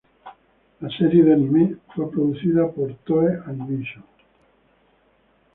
La serie de anime fue producida por Toei Animation.